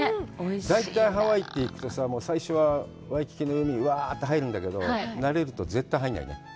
大体ハワイって行くとさ、最初はワイキキの海にうわぁって入るんだけど、なれると絶対入らないね。